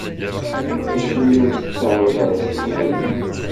Acimi ur tettaruḍ ara s teqbaylit?